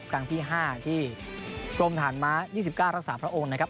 กลางที่ห้าที่กรมฐานม้ายี่สิบก้านรักษาพระองค์นะครับ